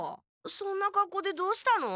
そんなかっこうでどうしたの？